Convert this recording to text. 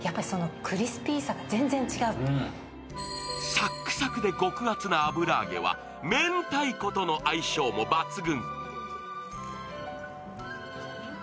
サックサクで極厚な油揚げはめんたいことの相性も抜群。